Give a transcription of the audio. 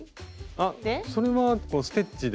あっそれはこのステッチで。